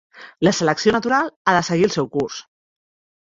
La selecció natural ha de seguir el seu curs.